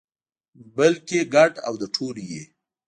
بلکې ګډ او د ټولو وي.